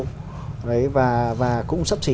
đấy và cũng sắp xỉ